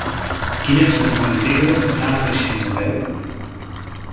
Quina és la millor manera d'anar a Preixens a peu?